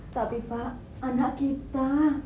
tapi pak anak kita